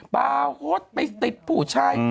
บาหดไปติดผู้ใจ